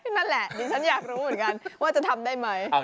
นั่นแหละดิฉันอยากรู้เหมือนกันว่าจะทำได้ไหม